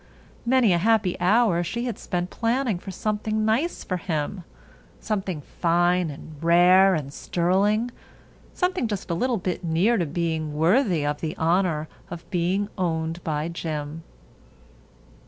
Many a happy hour she had spent planning for something nice for him. Something fine and rare and sterling—something just a little bit near to being worthy of the honor of being owned by Jim.